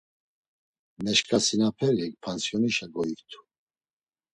Meşǩasinaperi pansiyonişa goiktu…